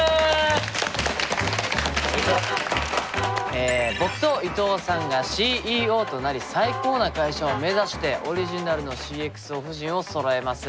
え僕と伊藤さんがＣＥＯとなり最高な会社を目指してオリジナルのＣｘＯ布陣をそろえますということでございます。